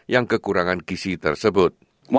yang kekurangan gisi tersebut